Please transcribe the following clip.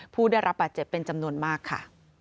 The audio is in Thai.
ผู้ได้รับบาดเจ็บเป็นจำนวนมากค่ะ